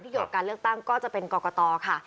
โยกการเลือกตั้งก็จะเป็นกรกตค่ะ